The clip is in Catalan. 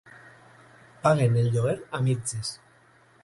Paguen el lloguer a mitges.